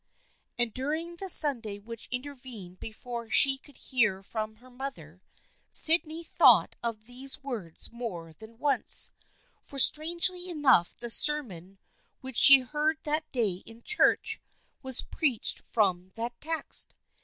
And during the Sunday which intervened be fore she could hear from her mother, Sydney thought of these words more than once, for strangely enough the sermon which she heard that day in church was preached from that text.